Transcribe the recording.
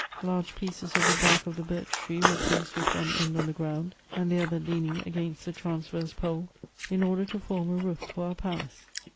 Large pieces of the bark of the birch tree were placed with one end on uie g^und, and the other leaning against the transverse pole, in order to form a roof for our palace.